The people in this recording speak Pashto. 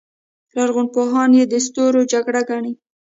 لرغونپوهان یې د ستورو جګړه ګڼي.